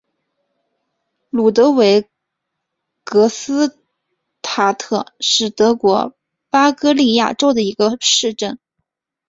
卢德维格斯塔特是德国巴伐利亚州的一个市镇。